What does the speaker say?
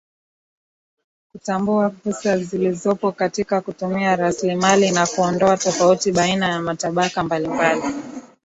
Kutambua fursa zilizopo katika kutumia raslimali na kuondoa tofauti baina ya matabaka mbalimbali